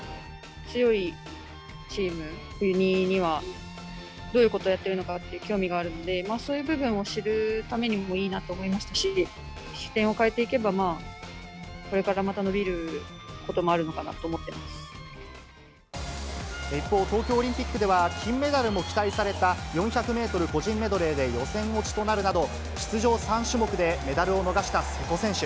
強いチーム、国には、どういうことをやっているのかって興味があるので、そういう部分を知るためにもいいなと思いましたし、視点を変えていけば、これからまた伸びることもあるのかなと思っ一方、東京オリンピックでは、金メダルも期待された４００メートル個人メドレーで予選落ちとなるなど、出場３種目でメダルを逃した瀬戸選手。